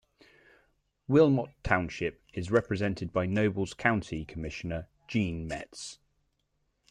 Wilmont Township is represented by Nobles County Commissioner Gene Metz.